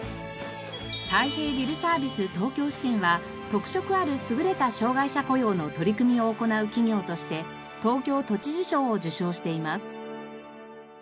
太平ビルサービス東京支店は特色ある優れた障がい者雇用の取り組みを行う企業として東京都知事賞を受賞しています。